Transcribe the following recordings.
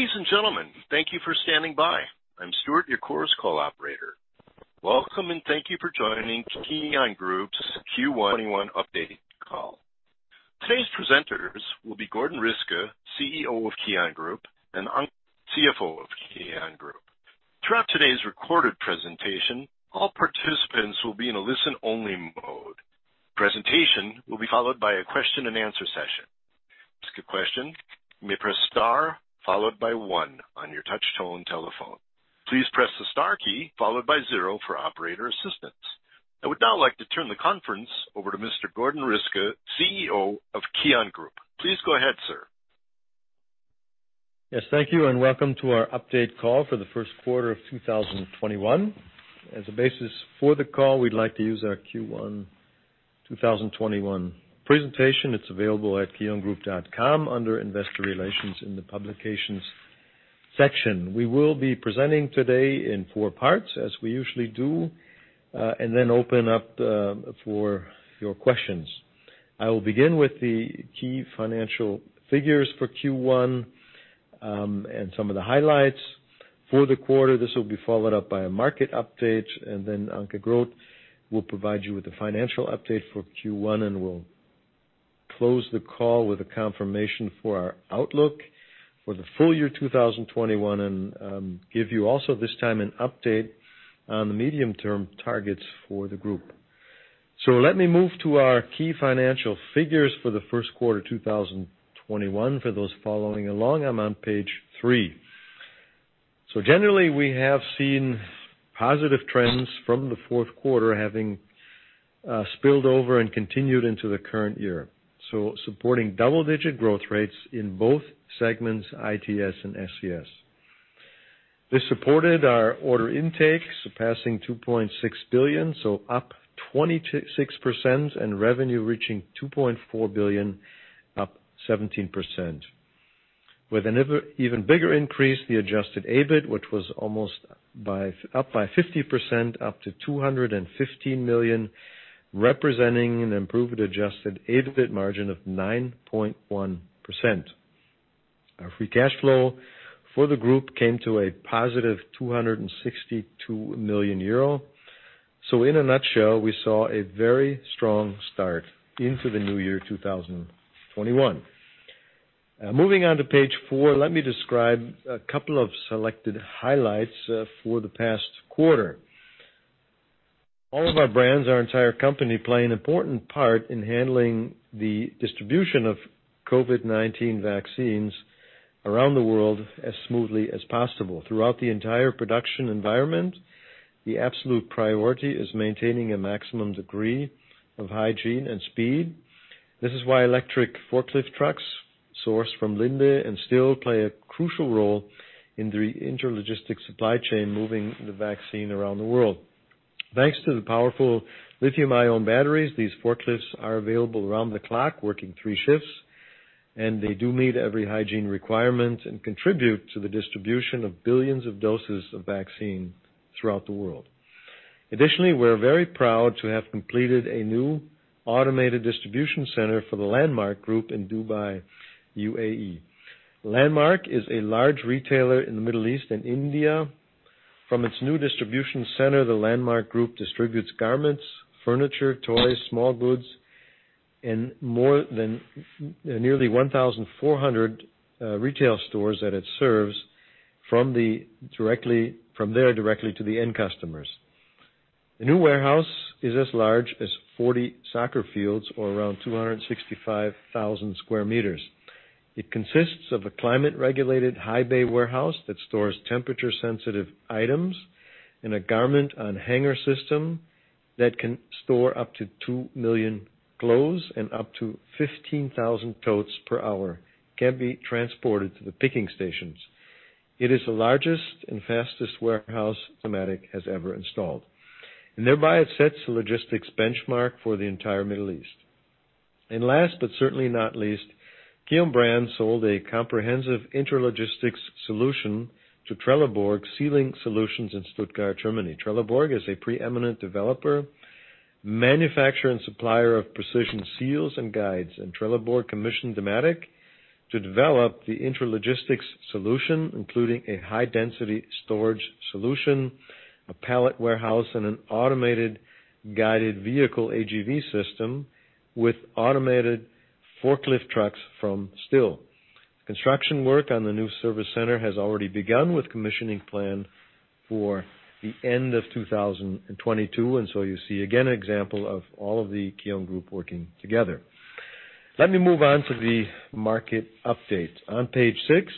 Ladies and gentlemen, thank you for standing by. I'm Stuart, your Chorus Call operator. Welcome. Thank you for joining KION Group's Q1 2021 update call. Today's presenters will be Gordon Riske, CEO of KION Group, and Anke Groth, CFO of KION Group. Throughout today's recorded presentation, all participants will be in a listen-only mode. Presentation will be followed by a question-and-answer session. To ask a question, you may press star followed by one on your touch-tone telephone. Please press the star key followed by zero for operator assistance. I would now like to turn the conference over to Mr. Gordon Riske, CEO of KION Group. Please go ahead, sir. Thank you, welcome to our update call for the first quarter of 2021. As a basis for the call, we'd like to use our Q1 2021 presentation. It's available at kiongroup.com under investor relations in the publications section. We will be presenting today in four parts, as we usually do, and then open up for your questions. I will begin with the key financial figures for Q1, and some of the highlights for the quarter. This will be followed up by a market update, and then Anke Groth will provide you with a financial update for Q1, and we'll close the call with a confirmation for our outlook for the full year 2021, and give you also this time an update on the medium-term targets for the group. Let me move to our key financial figures for the first quarter 2021. For those following along, I'm on page three. Generally, we have seen positive trends from the fourth quarter having spilled over and continued into the current year. Supporting double-digit growth rates in both segments, ITS and SCS. This supported our order intake, surpassing 2.6 billion—up 26%—with revenue reaching 2.4 billion, up 17%. With an even bigger increase, the adjusted EBIT, which was almost up by 50%, up to 215 million, representing an improved adjusted EBIT margin of 9.1%. Our free cash flow for the group came to a positive 262 million euro. In a nutshell, we saw a very strong start into the new year, 2021. Moving on to page four, let me describe a couple of selected highlights for the past quarter. All of our brands, our entire company, play an important part in handling the distribution of COVID-19 vaccines around the world as smoothly as possible. Throughout the entire production environment, the absolute priority is maintaining a maximum degree of hygiene and speed. This is why electric forklift trucks sourced from Linde and STILL play a crucial role in the intralogistics supply chain, moving the vaccine around the world. Thanks to the powerful lithium-ion batteries, these forklifts are available around the clock, working three shifts, and they do meet every hygiene requirement and contribute to the distribution of billions of doses of vaccine throughout the world. Additionally, we are very proud to have completed a new automated distribution center for the Landmark Group in Dubai, U.A.E. Landmark is a large retailer in the Middle East and India. From its new distribution center, the Landmark Group distributes garments, furniture, toys, small goods in more than nearly 1,400 retail stores that it serves from there directly to the end customers. The new warehouse is as large as 40 soccer fields or around 265,000 sq m. It consists of a climate-regulated high bay warehouse that stores temperature-sensitive items and a garment on hanger system that can store up to 2 million clothes and up to 15,000 totes per hour can be transported to the picking stations. It is the largest and fastest warehouse Dematic has ever installed. Thereby it sets a logistics benchmark for the entire Middle East. Last, but certainly not least, KION brand sold a comprehensive intralogistics solution to Trelleborg Sealing Solutions in Stuttgart, Germany. Trelleborg is a preeminent developer, manufacturer, and supplier of precision seals and guides. Trelleborg commissioned Dematic to develop the intralogistics solution, including a high-density storage solution, a pallet warehouse, and an automated guided vehicle AGV system with automated forklift trucks from STILL. Construction work on the new service center has already begun with commissioning plan for the end of 2022. You see again an example of all of the KION Group working together. Let me move on to the market update. On page six,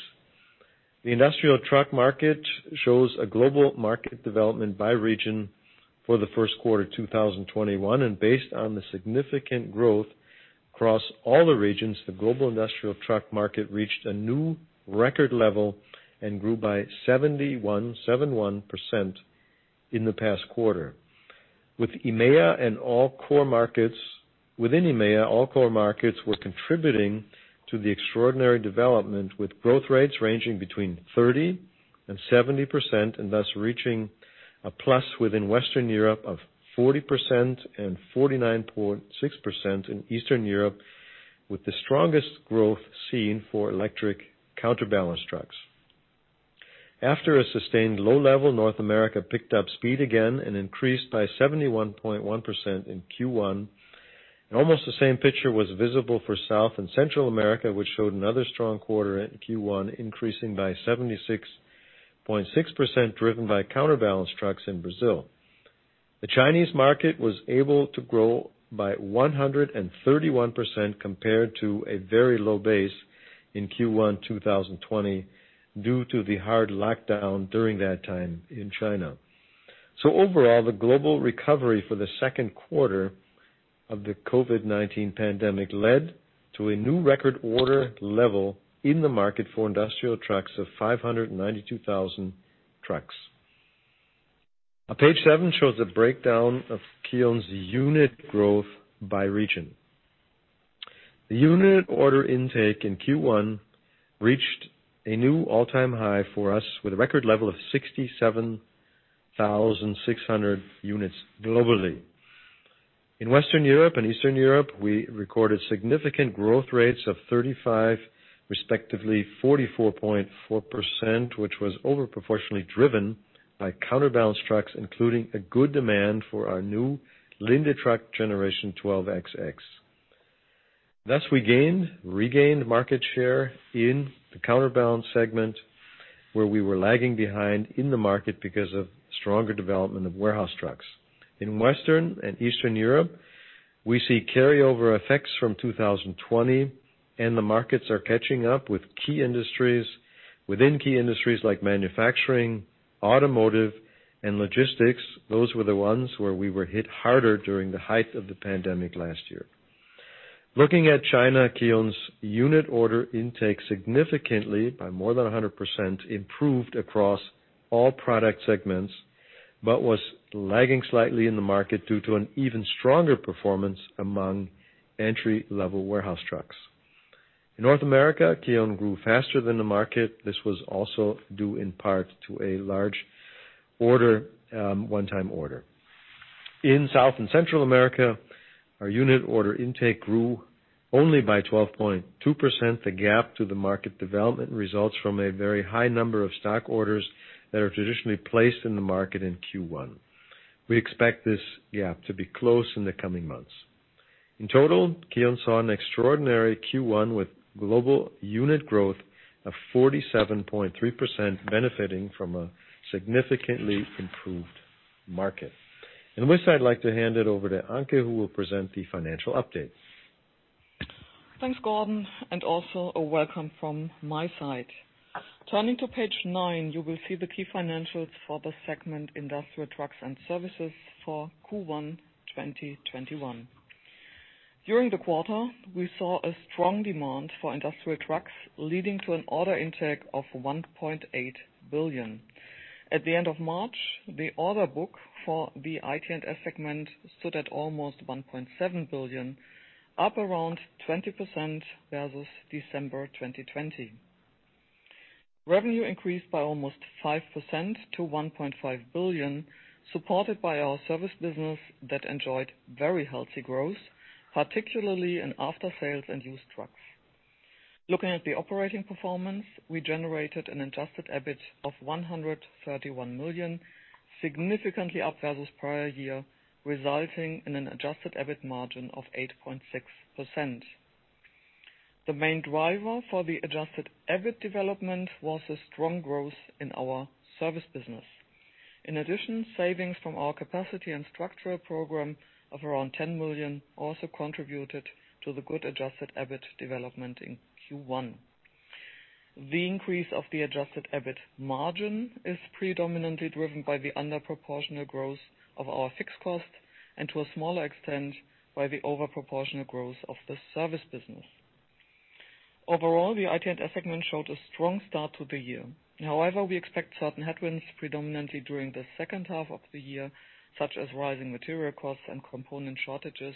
the industrial truck market shows a global market development by region for the first quarter 2021. Based on the significant growth across all the regions, the global industrial truck market reached a new record level and grew by 71% in the past quarter. Within EMEA, all core markets were contributing to the extraordinary development with growth rates ranging between 30%-70%, and thus reaching a plus within Western Europe of 40% and 49.6% in Eastern Europe, with the strongest growth seen for electric counterbalance trucks. After a sustained low level, North America picked up speed again and increased by 71.1% in Q1. Almost the same picture was visible for South and Central America, which showed another strong quarter in Q1, increasing by 76.6%, driven by counterbalance trucks in Brazil. The Chinese market was able to grow by 131% compared to a very low base in Q1 2020, due to the hard lockdown during that time in China. Overall, the global recovery for the second quarter of the COVID-19 pandemic led to a new record order level in the market for industrial trucks of 592,000 trucks. Now, page seven shows a breakdown of KION's unit growth by region. The unit order intake in Q1 reached a new all-time high for us, with a record level of 67,600 units globally. In Western Europe and Eastern Europe, we recorded significant growth rates of 35%, respectively 44.4%, which was over proportionally driven by counterbalance trucks, including a good demand for our new Linde truck generation 12XX. Thus, we regained market share in the counterbalance segment, where we were lagging behind in the market because of stronger development of warehouse trucks. In Western and Eastern Europe, we see carryover effects from 2020, and the markets are catching up within key industries like manufacturing, automotive, and logistics. Those were the ones where we were hit harder during the height of the pandemic last year. Looking at China, KION's unit order intake significantly, by more than 100%, improved across all product segments, but was lagging slightly in the market due to an even stronger performance among entry-level warehouse trucks. In North America, KION grew faster than the market. This was also due in part to a large one-time order. In South and Central America, our unit order intake grew only by 12.2%. The gap to the market development results from a very high number of stock orders that are traditionally placed in the market in Q1. We expect this gap to be closed in the coming months. In total, KION saw an extraordinary Q1 with global unit growth of 47.3%, benefiting from a significantly improved market. With that, I'd like to hand it over to Anke, who will present the financial update. Thanks, Gordon, and also a welcome from my side. Turning to page nine, you will see the key financials for the segment Industrial Trucks & Services for Q1 2021. During the quarter, we saw a strong demand for industrial trucks, leading to an order intake of 1.8 billion. At the end of March, the order book for the ITS segment stood at almost 1.7 billion, up around 20% versus December 2020. Revenue increased by almost 5% to 1.5 billion, supported by our service business that enjoyed very healthy growth, particularly in after-sales and used trucks. Looking at the operating performance, we generated an adjusted EBIT of 131 million, significantly up versus prior year, resulting in an adjusted EBIT margin of 8.6%. The main driver for the adjusted EBIT development was the strong growth in our service business. In addition, savings from our capacity and structural program of around 10 million also contributed to the good adjusted EBIT development in Q1. The increase of the adjusted EBIT margin is predominantly driven by the under proportional growth of our fixed costs, and to a smaller extent, by the over proportional growth of the service business. Overall, the ITS segment showed a strong start to the year. However, we expect certain headwinds predominantly during the second half of the year, such as rising material costs and component shortages,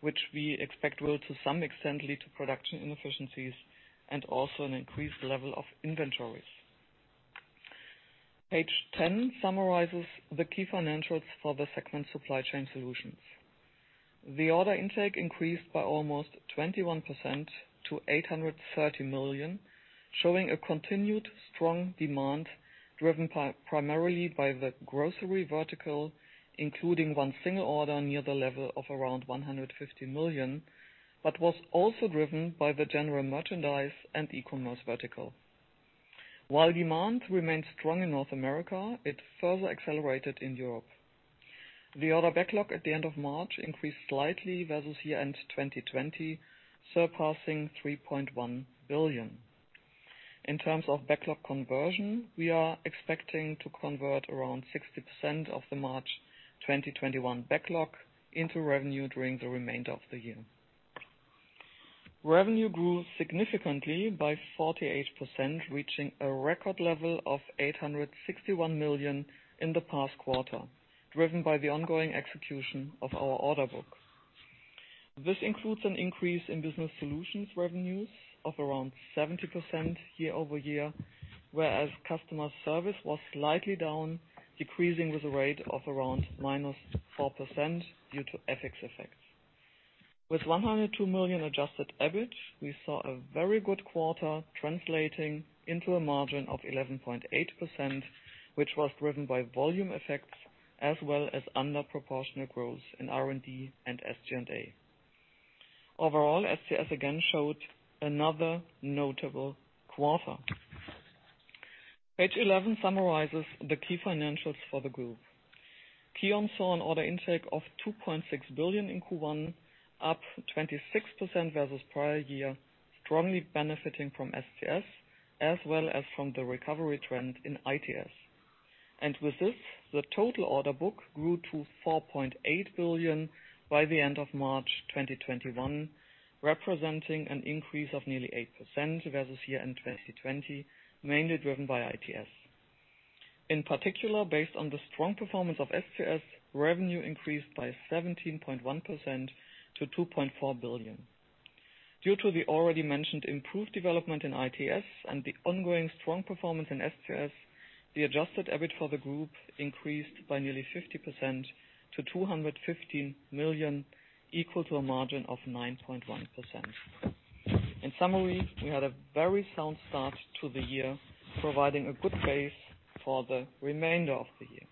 which we expect will, to some extent, lead to production inefficiencies and also an increased level of inventories. Page 10 summarizes the key financials for the segment Supply Chain Solutions. The order intake increased by almost 21% to 830 million, showing a continued strong demand driven primarily by the grocery vertical, including one single order near the level of around 150 million, but was also driven by the general merchandise and e-commerce vertical. While demand remained strong in North America, it further accelerated in Europe. The order backlog at the end of March increased slightly versus year-end 2020, surpassing 3.1 billion. In terms of backlog conversion, we are expecting to convert around 60% of the March 2021 backlog into revenue during the remainder of the year. Revenue grew significantly by 48%, reaching a record level of 861 million in the past quarter, driven by the ongoing execution of our order book. It includes an increase in business solutions revenues of around 70% year-over-year, whereas customer service was slightly down, decreasing with a rate of around -4% due to FX effects. With 102 million adjusted EBIT, we saw a very good quarter translating into a margin of 11.8%, which was driven by volume effects as well as under proportional growth in R&D and SG&A. Overall, SCS again showed another notable quarter. Page 11 summarizes the key financials for the group. KION saw an order intake of 2.6 billion in Q1, up 26% versus prior year, strongly benefiting from SCS as well as from the recovery trend in ITS. With this, the total order book grew to 4.8 billion by the end of March 2021, representing an increase of nearly 8% versus year-end 2020, mainly driven by ITS. In particular, based on the strong performance of SCS, revenue increased by 17.1% to 2.4 billion. Due to the already mentioned improved development in ITS and the ongoing strong performance in SCS, the adjusted EBIT for the group increased by nearly 50% to 215 million, equal to a margin of 9.1%. In summary, we had a very sound start to the year, providing a good base for the remainder of the year.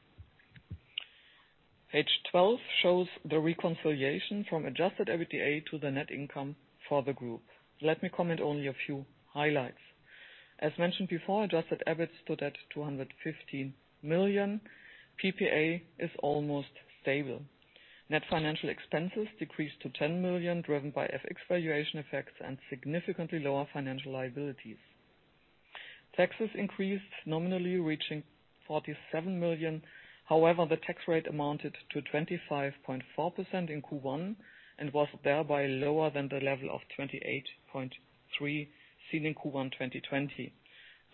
Page 12 shows the reconciliation from adjusted EBITDA to the net income for the group. Let me comment only a few highlights. As mentioned before, adjusted EBIT stood at 215 million. PPA is almost stable. Net financial expenses decreased to 10 million, driven by FX valuation effects and significantly lower financial liabilities. Taxes increased nominally reaching 47 million. The tax rate amounted to 25.4% in Q1 and was thereby lower than the level of 28.3% seen in Q1 2020.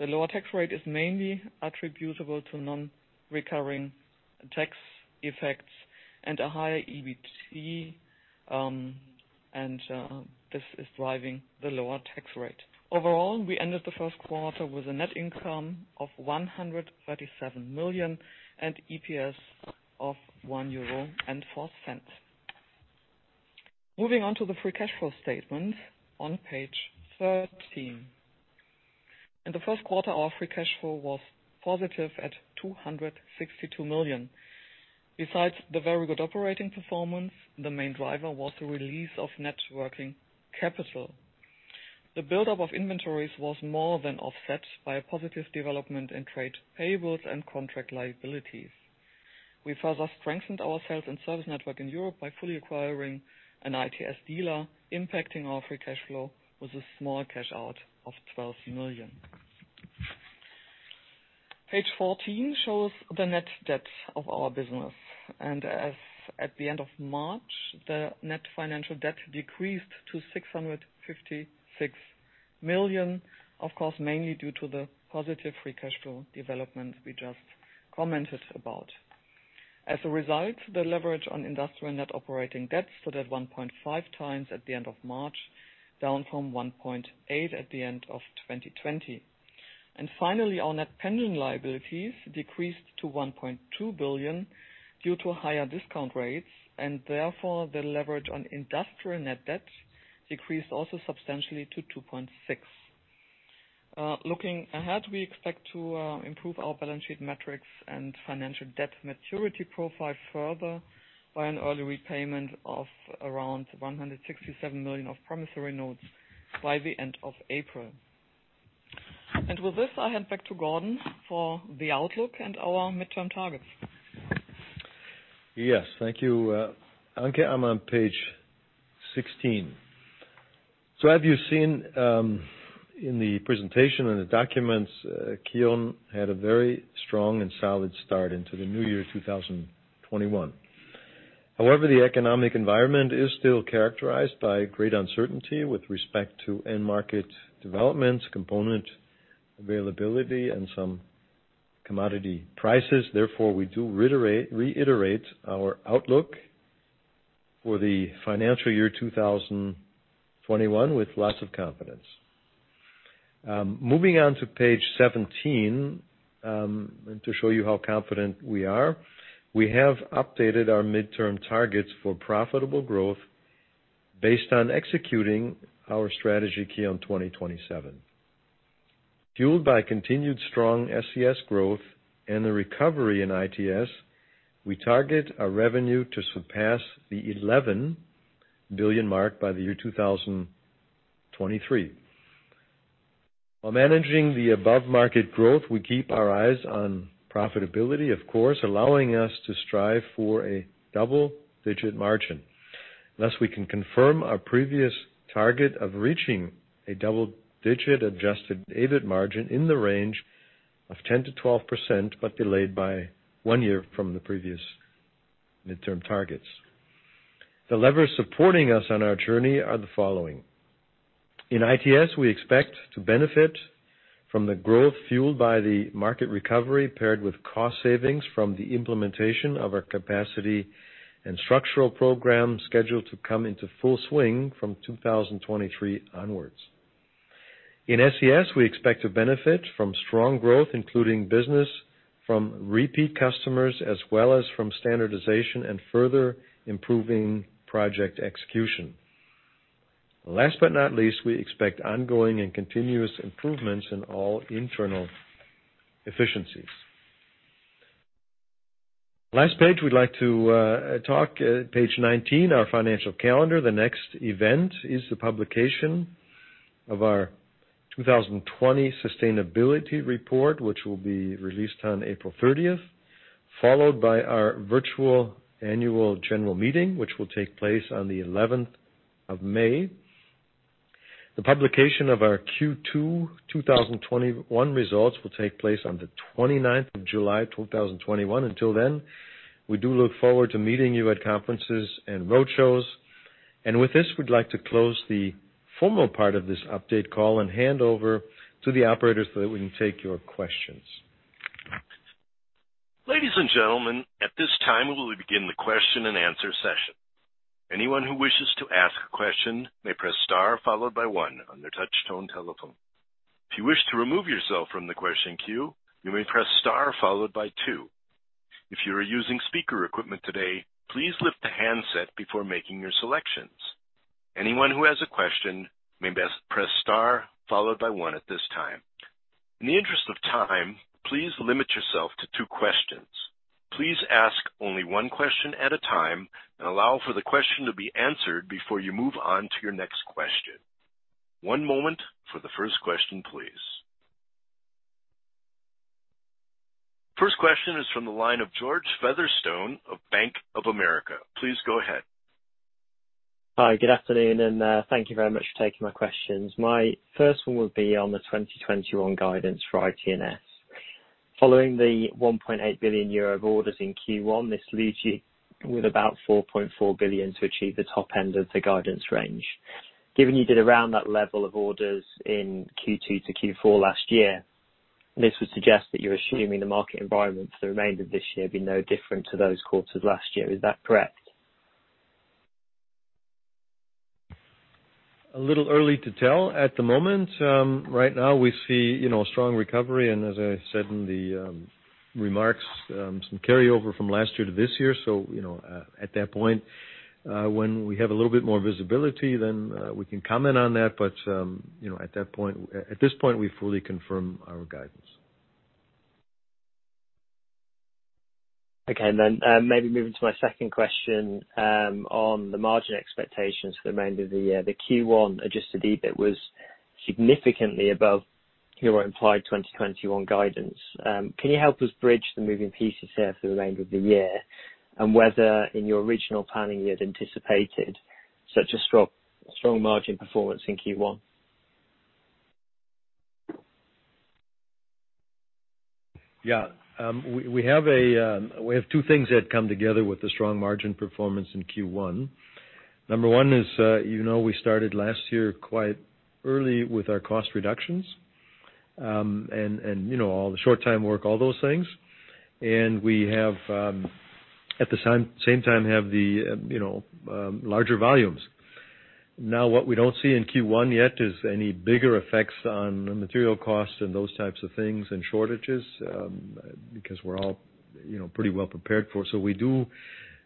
The lower tax rate is mainly attributable to non-recurring tax effects and a higher EBT, and this is driving the lower tax rate. Overall, we ended the first quarter with a net income of 137 million and EPS of €1.04. Moving on to the free cash flow statement on page 13. In the first quarter, our free cash flow was positive at 262 million. Besides the very good operating performance, the main driver was the release of net working capital. The buildup of inventories was more than offset by a positive development in trade payables and contract liabilities. We further strengthened our sales and service network in Europe by fully acquiring an ITS dealer, impacting our free cash flow with a small cash out of 12 million. Page 14 shows the net debt of our business. As at the end of March, the net financial debt decreased to 656 million, of course, mainly due to the positive free cash flow development we just commented about. As a result, the leverage on industrial net operating debt stood at 1.5x at the end of March, down from 1.8x at the end of 2020. Finally, our net pending liabilities decreased to 1.2 billion due to higher discount rates. Therefore, the leverage on industrial net debt decreased also substantially to 2.6x. Looking ahead, we expect to improve our balance sheet metrics and financial debt maturity profile further by an early repayment of around 167 million of promissory notes by the end of April. With this, I hand back to Gordon for the outlook and our midterm targets. Yes, thank you. Anke, I'm on page 16. As you've seen in the presentation and the documents, KION had a very strong and solid start into the new year 2021. However, the economic environment is still characterized by great uncertainty with respect to end market developments, component availability, and some commodity prices. Therefore, we do reiterate our outlook for the financial year 2021 with lots of confidence. Moving on to page 17, to show you how confident we are. We have updated our midterm targets for profitable growth based on executing our strategy, KION 2027. Fueled by continued strong SCS growth and the recovery in ITS, we target our revenue to surpass the 11 billion mark by the year 2023. While managing the above-market growth, we keep our eyes on profitability, of course, allowing us to strive for a double-digit margin. Thus, we can confirm our previous target of reaching a double-digit adjusted EBIT margin in the range of 10%-12%, but delayed by one year from the previous midterm targets. The levers supporting us on our journey are the following. In ITS, we expect to benefit from the growth fueled by the market recovery, paired with cost savings from the implementation of our capacity and structural program scheduled to come into full swing from 2023 onwards. In SCS, we expect to benefit from strong growth, including business from repeat customers, as well as from standardization and further improving project execution. Last but not least, we expect ongoing and continuous improvements in all internal efficiencies. Last page we'd like to talk, page 19, our financial calendar. The next event is the publication of our 2020 sustainability report, which will be released on April 30th, followed by our virtual annual general meeting, which will take place on the 11th of May. The publication of our Q2 2021 results will take place on the 29th of July, 2021. Until then, we do look forward to meeting you at conferences and road shows. With this, we'd like to close the formal part of this update call and hand over to the operator so that we can take your questions. First question is from the line of George Featherstone of Bank of America. Please go ahead. Hi, good afternoon, thank you very much for taking my questions. My first one would be on the 2021 guidance for ITS. Following the 1.8 billion euro of orders in Q1, this leaves you with about 4.4 billion to achieve the top end of the guidance range. Given you did around that level of orders in Q2 to Q4 last year, this would suggest that you're assuming the market environment for the remainder of this year will be no different to those quarters last year. Is that correct? A little early to tell at the moment. Right now we see a strong recovery and as I said in the remarks, some carryover from last year to this year. At that point, when we have a little bit more visibility, then we can comment on that. At this point, we fully confirm our guidance. Okay. Maybe moving to my second question, on the margin expectations for the remainder of the year. The Q1 adjusted EBIT was significantly above your implied 2021 guidance. Can you help us bridge the moving pieces here for the remainder of the year? Whether in your original planning you had anticipated such a strong margin performance in Q1? Yeah. We have two things that come together with the strong margin performance in Q1. Number one is, you know we started last year quite early with our cost reductions, all the short-time work, all those things. We, at the same time, have the larger volumes. What we don't see in Q1 yet is any bigger effects on material costs and those types of things and shortages, because we're all pretty well prepared for it. We do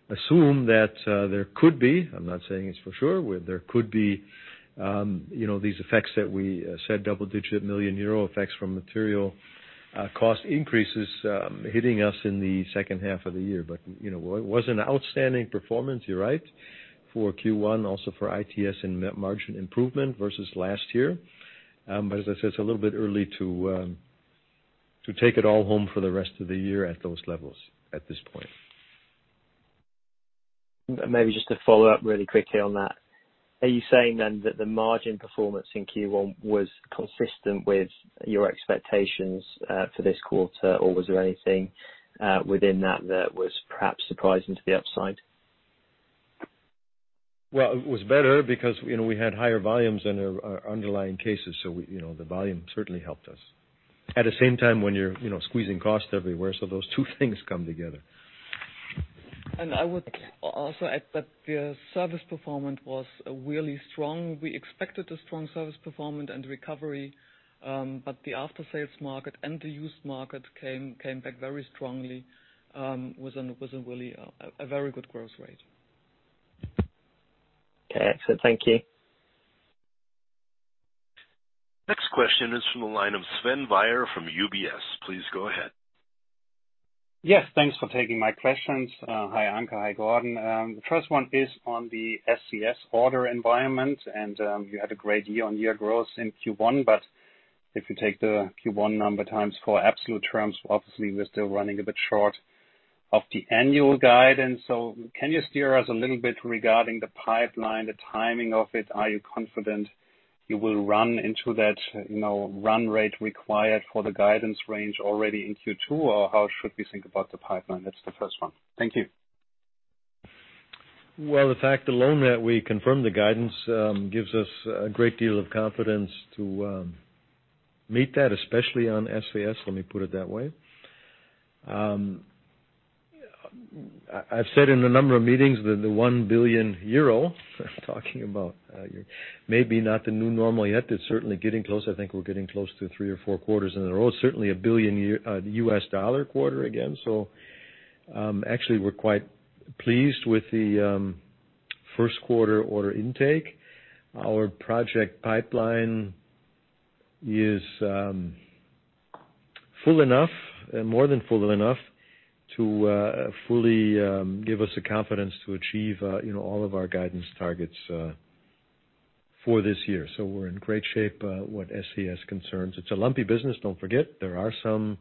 assume that there could be, I'm not saying it's for sure, where there could be these effects that we said, double-digit million EUR effects from material cost increases hitting us in the second half of the year. It was an outstanding performance, you're right, for Q1, also for ITS and net margin improvement versus last year. As I said, it's a little bit early to take it all home for the rest of the year at those levels at this point. Maybe just to follow up really quickly on that. Are you saying then that the margin performance in Q1 was consistent with your expectations for this quarter? Or was there anything within that that was perhaps surprising to the upside? Well, it was better because we had higher volumes and underlying cases, the volume certainly helped us. At the same time when you're squeezing costs everywhere, those two things come together. I would also add that the service performance was really strong. We expected a strong service performance and recovery, but the after-sales market and the used market came back very strongly, with a very good growth rate. Okay, excellent. Thank you. Next question is from the line of Sven Weier from UBS. Please go ahead. Yes, thanks for taking my questions. Hi, Anke. Hi, Gordon. The first one is on the SCS order environment. You had a great year-on-year growth in Q1, but if you take the Q1 number times 4 absolute terms, obviously we're still running a bit short of the annual guidance. Can you steer us a little bit regarding the pipeline, the timing of it? Are you confident you will run into that run rate required for the guidance range already in Q2, or how should we think about the pipeline? That's the first one. Thank you. Well, the fact alone that we confirmed the guidance gives us a great deal of confidence to meet that, especially on SCS, let me put it that way. I've said in a number of meetings that the 1 billion euro, talking about maybe not the new normal yet, but certainly getting close. I think we're getting close to three or four quarters in a row. Certainly, a billion U.S. dollar quarter again. Actually, we're quite pleased with the first quarter order intake. Our project pipeline is full enough, and more than full enough to fully give us the confidence to achieve all of our guidance targets for this year. We're in great shape what SCS concerns. It's a lumpy business, don't forget. There are some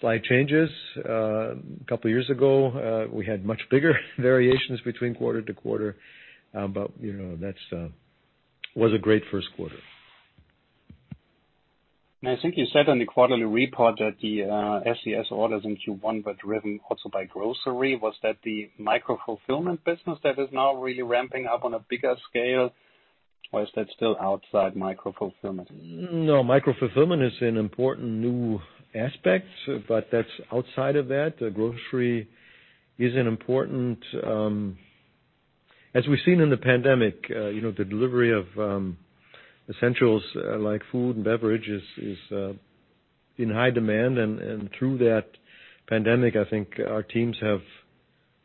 slight changes. A couple of years ago, we had much bigger variations between quarter-to-quarter. But that was a great first quarter. I think you said on the quarterly report that the SCS orders in Q1 were driven also by grocery. Was that the micro-fulfillment business that is now really ramping up on a bigger scale? Or is that still outside micro-fulfillment? Micro-fulfillment is an important new aspect, but that's outside of that. Grocery is an important, as we've seen in the pandemic, the delivery of essentials, like food and beverage, is in high demand. Through that pandemic, I think our teams have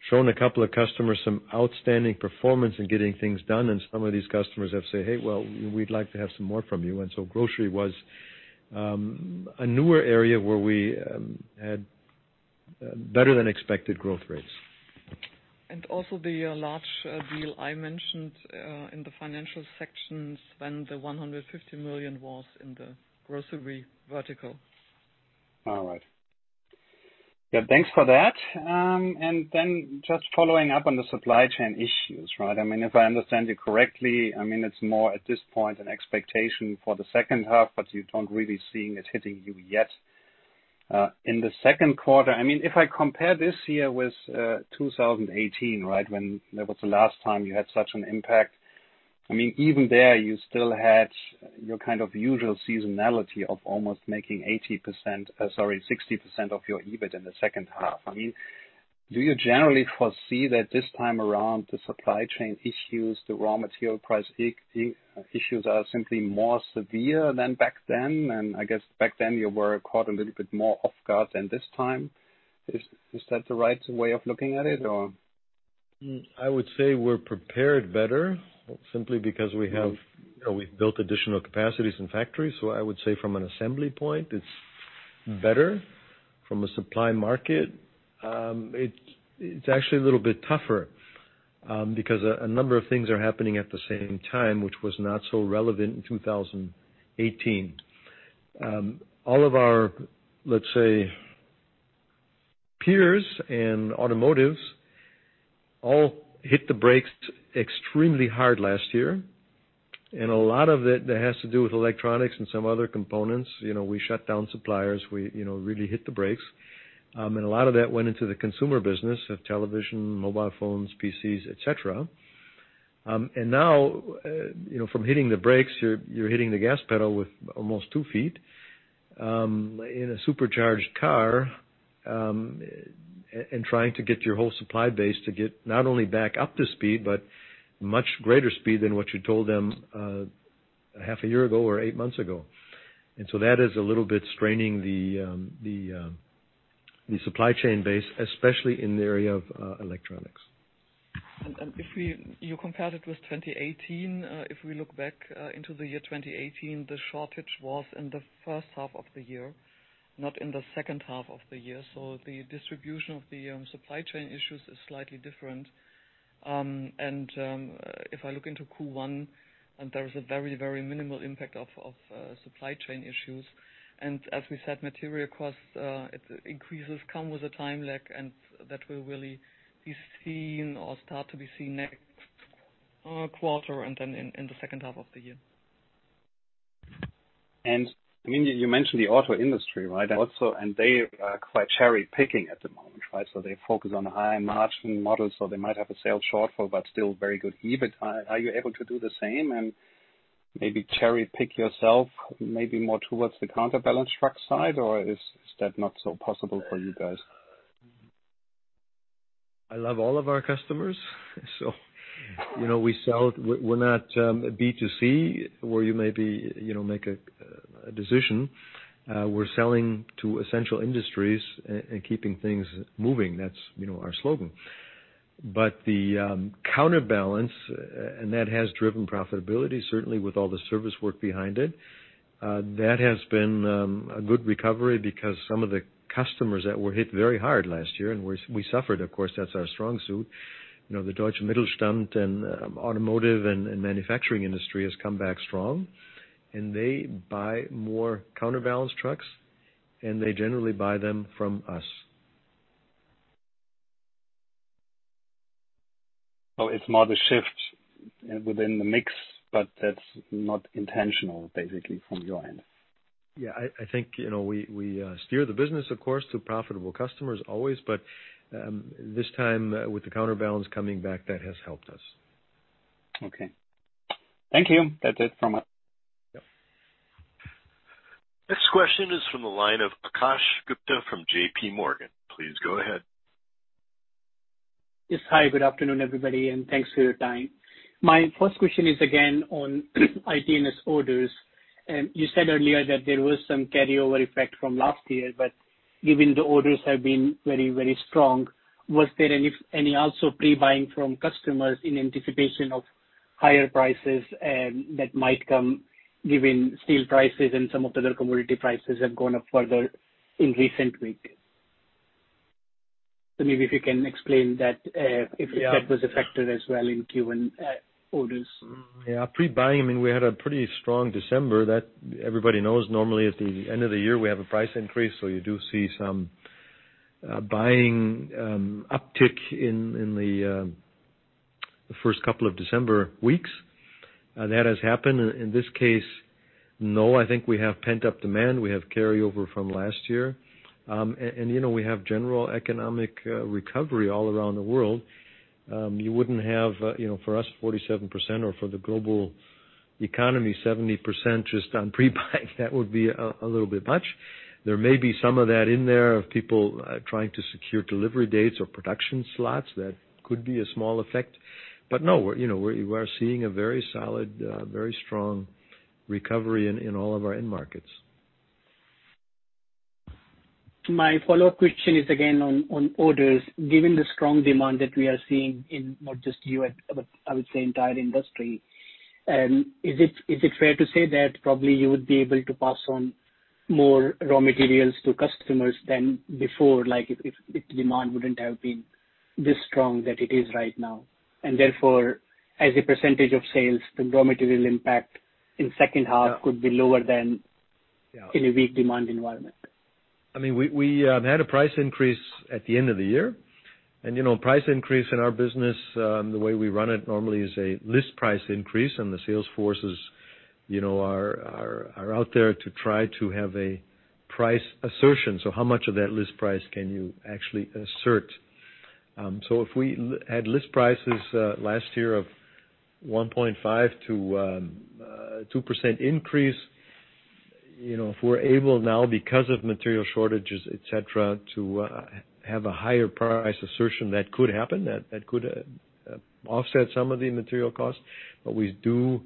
shown a couple of customers some outstanding performance in getting things done, and some of these customers have said, "Hey, well, we'd like to have some more from you." Grocery was a newer area where we had better than expected growth rates. Also the large deal I mentioned in the financial section when the 150 million was in the grocery vertical. All right. Yeah, thanks for that. Then just following up on the supply chain issues, right? If I understand you correctly, it's more at this point an expectation for the second half, but you don't really seeing it hitting you yet. In the second quarter, if I compare this year with 2018, right? When that was the last time you had such an impact. Even there, you still had your usual seasonality of almost making 80%, sorry, 60% of your EBIT in the second half. Do you generally foresee that this time around, the supply chain issues, the raw material price issues are simply more severe than back then? I guess back then you were caught a little bit more off guard than this time. Is that the right way of looking at it or? I would say we're prepared better simply because we've built additional capacities in factories. I would say from an assembly point, it's better. From a supply market, it's actually a little bit tougher, because a number of things are happening at the same time, which was not so relevant in 2018. All of our, let's say, peers and automotives all hit the brakes extremely hard last year. A lot of it that has to do with electronics and some other components. We shut down suppliers. We really hit the brakes. A lot of that went into the consumer business of television, mobile phones, PCs, etc. Now, from hitting the brakes, you're hitting the gas pedal with almost two feet in a supercharged car, trying to get your whole supply base to get not only back up to speed, but much greater speed than what you told them half a year ago or eight months ago. That is a little bit straining the supply chain base, especially in the area of electronics. If you compared it with 2018, if we look back into the year 2018, the shortage was in the first half of the year, not in the second half of the year. The distribution of the supply chain issues is slightly different. If I look into Q1, there is a very minimal impact of supply chain issues. As we said, material cost increases come with a time lag, and that will really be seen or start to be seen next quarter and then in the second half of the year. You mentioned the auto industry, right? Yeah. They are quite cherry-picking at the moment, right? They focus on the high margin models, so they might have a sales shortfall, but still very good EBIT. Are you able to do the same and maybe cherry-pick yourself, maybe more towards the counterbalance truck side? Is that not so possible for you guys? I love all of our customers. We're not B2C where you maybe make a decision. We're selling to essential industries and keeping things moving. That's our slogan. The counterbalance, and that has driven profitability, certainly with all the service work behind it. That has been a good recovery because some of the customers that were hit very hard last year, and we suffered, of course, that's our strong suit. The Deutsche Mittelstand and automotive and manufacturing industry has come back strong, and they buy more counterbalance trucks, and they generally buy them from us. It's more the shift within the mix, but that's not intentional, basically, from your end. Yeah. I think we steer the business, of course, to profitable customers always. This time, with the counterbalance coming back, that has helped us. Okay. Thank you. That's it from us. Yep. Next question is from the line of Akash Gupta from J.P. Morgan. Please go ahead. Yes. Hi, good afternoon, everybody, and thanks for your time. My first question is again on ITS orders. Given the orders have been very strong, was there any also pre-buying from customers in anticipation of higher prices that might come, given steel prices and some of the other commodity prices have gone up further in recent weeks? Maybe if you can explain that. Yeah if that was a factor as well in Q1 orders. Yeah. Pre-buying, we had a pretty strong December. Everybody knows normally at the end of the year, we have a price increase, so you do see some buying uptick in the first couple of December weeks. That has happened. In this case, no, I think we have pent-up demand. We have carryover from last year. We have general economic recovery all around the world. You wouldn't have, for us, 47%, or for the global economy, 70%, just on pre-buying. That would be a little bit much. There may be some of that in there of people trying to secure delivery dates or production slots. That could be a small effect. No, we are seeing a very solid, very strong recovery in all of our end markets. My follow-up question is again on orders. Given the strong demand that we are seeing in not just you, but I would say entire industry, is it fair to say that probably you would be able to pass on more raw materials to customers than before, like if demand wouldn't have been this strong that it is right now? Therefore, as a percentage of sales, the raw material impact in second half could be lower? Yeah. in a weak demand environment. We had a price increase at the end of the year. Price increase in our business, the way we run it normally is a list price increase, and the sales forces are out there to try to have a price assertion. How much of that list price can you actually assert? If we had list prices last year of 1.5% to 2% increase, if we're able now because of material shortages, et cetera, to have a higher price assertion, that could happen. That could offset some of the material costs. We do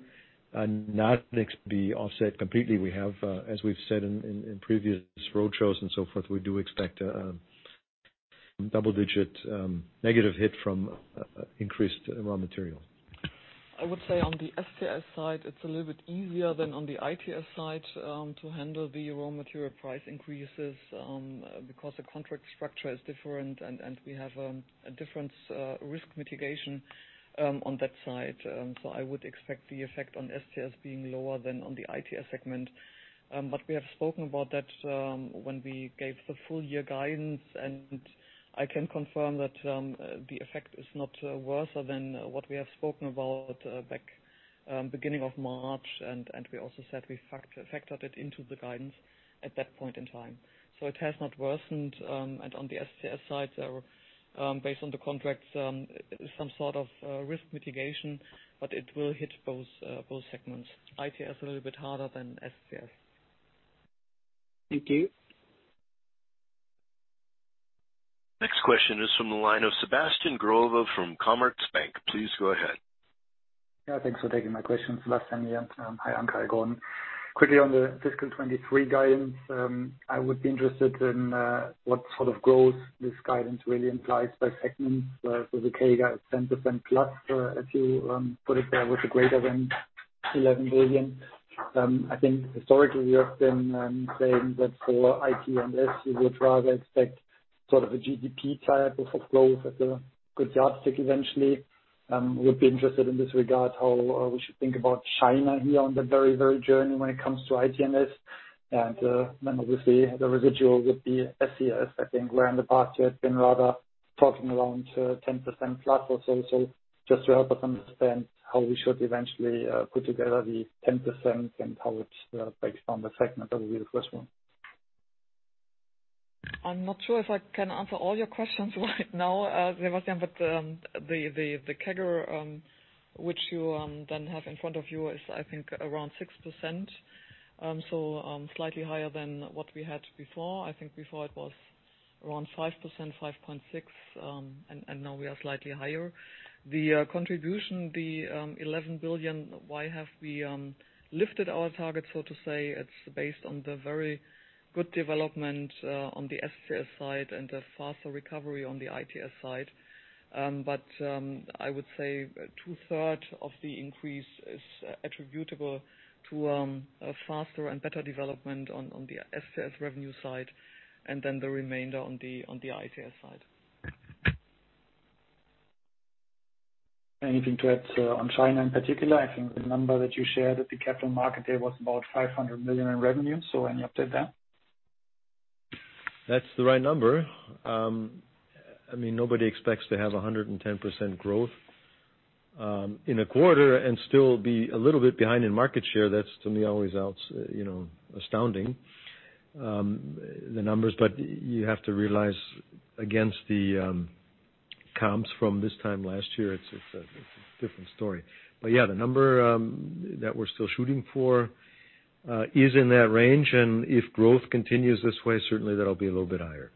not expect to be offset completely. As we've said in previous roadshows and so forth, we do expect a double-digit negative hit from increased raw material. I would say on the SCS side, it's a little bit easier than on the ITS side to handle the raw material price increases, because the contract structure is different, and we have a different risk mitigation on that side. I would expect the effect on SCS being lower than on the ITS segment. We have spoken about that when we gave the full year guidance, and I can confirm that the effect is not worse than what we have spoken about back beginning of March. We also said we factored it into the guidance at that point in time. It has not worsened. On the SCS side, based on the contracts, some sort of risk mitigation, but it will hit both segments, ITS a little bit harder than SCS. Thank you. Next question is from the line of Sebastian Growe from Commerzbank. Please go ahead. Thanks for taking my questions, Sebastian. Hi, Anke, Gordon. Quickly on the FY 2023 guidance. I would be interested in what sort of growth this guidance really implies by segment, for the KION guidance, 10%+, if you put it there with a greater than 11 billion. I think historically, we have been saying that for ITS, you would rather expect sort of a GDP type of growth as a good yardstick eventually. Would be interested in this regard how we should think about China here on the very journey when it comes to ITS. Obviously the residual would be SCS, I think, where in the past you had been rather talking around 10%+ or so. Just to help us understand how we should eventually put together the 10% and how it breaks down the segment, that would be the first one. I'm not sure if I can answer all your questions right now, Sebastian. The CAGR, which you then have in front of you is, I think, around 6%. Slightly higher than what we had before. I think before it was around 5%, 5.6%, now we are slightly higher. The contribution, the 11 billion, why have we lifted our target, so to say? It's based on the very good development on the SCS side and the faster recovery on the ITS side. I would say two-third of the increase is attributable to a faster and better development on the SCS revenue side, the remainder on the ITS side. Anything to add on China in particular? I think the number that you shared at the capital market day was about 500 million in revenue. Any update there? That's the right number. Nobody expects to have 110% growth in a quarter and still be a little bit behind in market share. That's, to me, always astounding, the numbers. You have to realize against the comps from this time last year, it's a different story. Yeah, the number that we're still shooting for is in that range, and if growth continues this way, certainly that'll be a little bit higher.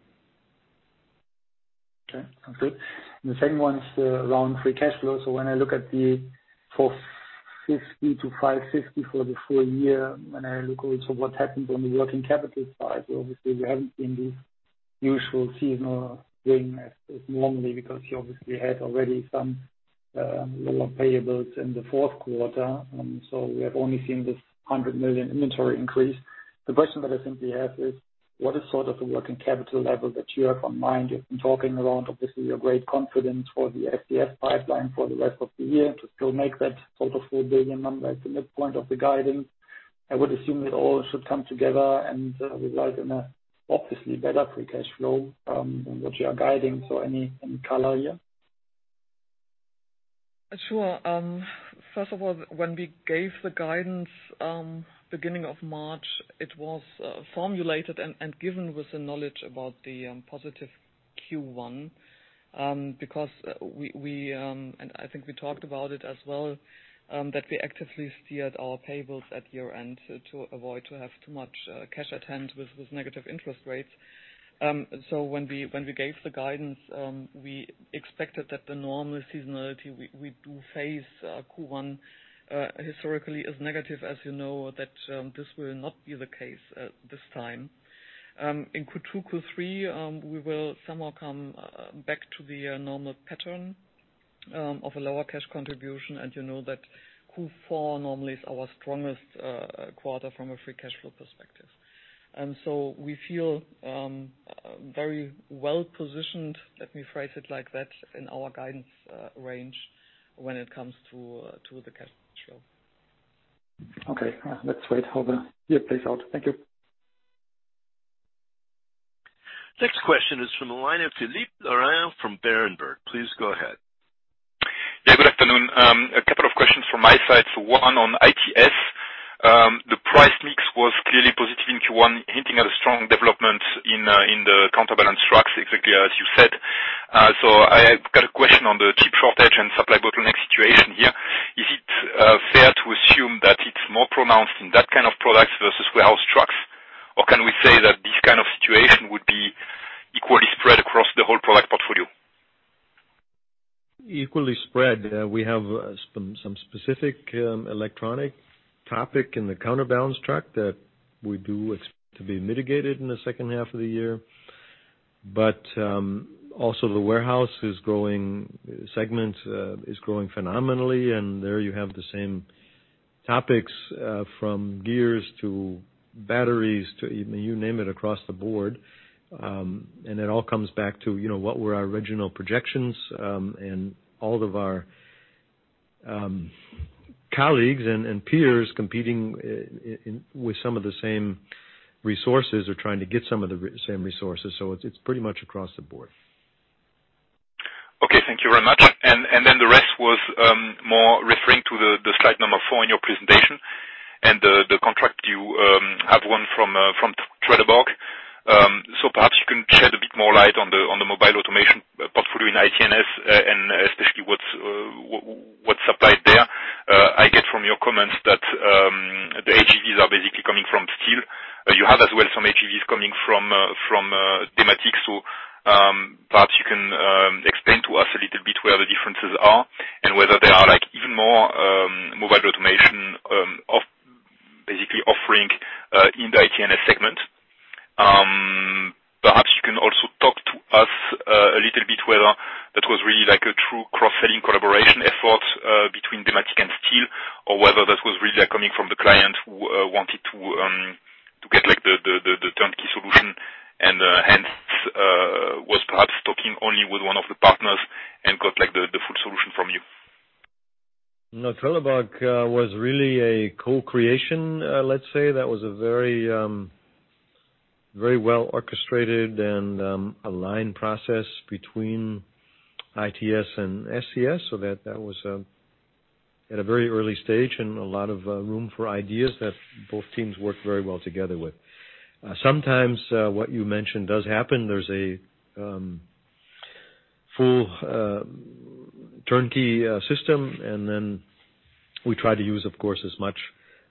Okay, sounds good. The second one is around free cash flow. When I look at the 450-550 for the full year, when I look also what happened on the working capital side, obviously we haven't seen the usual seasonal bring as normally because you obviously had already some lower payables in the fourth quarter. We have only seen this 100 million inventory increase. The question that I simply have is what is sort of the working capital level that you have on mind? You've been talking around, obviously, your great confidence for the SCS pipeline for the rest of the year to still make that sort of 4 billion number at the midpoint of the guidance. I would assume it all should come together and result in a obviously better free cash flow, than what you are guiding. Any color here? Sure. First of all, when we gave the guidance, beginning of March, it was formulated and given with the knowledge about the positive Q1. We, and I think we talked about it as well, that we actively steered our payables at year-end to avoid to have too much cash at hand with negative interest rates. When we gave the guidance, we expected that the normal seasonality we do face Q1, historically as negative as you know, that this will not be the case this time. In Q2, Q3, we will somehow come back to the normal pattern of a lower cash contribution, you know that Q4 normally is our strongest quarter from a free cash flow perspective. We feel very well positioned, let me phrase it like that, in our guidance range when it comes to the cash flow. Okay. Let's wait how the year plays out. Thank you. Next question is from the line of Philippe Lorrain from Berenberg. Please go ahead. Good afternoon. A couple of questions from my side. One on ITS. The price mix was clearly positive in Q1, hinting at a strong development in the counterbalance trucks, exactly as you said. I got a question on the chip shortage and supply bottleneck situation here. Is it fair to assume that it's more pronounced in that kind of products versus warehouse trucks? Can we say that this kind of situation would be equally spread across the whole product portfolio? Equally spread. We have some specific electronic topic in the counterbalance truck that we do expect to be mitigated in the second half of the year. Also the warehouse segment is growing phenomenally, and there you have the same topics, from gears to batteries to you name it, across the board. It all comes back to what were our original projections, and all of our colleagues and peers competing with some of the same resources or trying to get some of the same resources. It's pretty much across the board. Thank you very much. The rest was more referring to the slide number four in your presentation and the contract you have won from Trelleborg. Perhaps you can shed a bit more light on the mobile automation portfolio in ITS and especially what's supplied there. I get from your comments that the AGVs are basically coming from STILL. You have as well some AGVs coming from Dematic. Perhaps you can explain to us a little bit where the differences are and whether there are even more mobile automation basically offering in the ITS segment. Perhaps you can also talk to us a little bit whether that was really like a true cross-selling collaboration effort between Dematic and STILL, or whether that was really coming from the client who wanted to get the turnkey solution and hence, was perhaps talking only with one of the partners and got the full solution from you? No, Trelleborg was really a co-creation, let's say. That was a very well orchestrated and aligned process between ITS and SCS. That was at a very early stage and a lot of room for ideas that both teams worked very well together with. Sometimes what you mentioned does happen. There is a full turnkey system, and then we try to use, of course, as much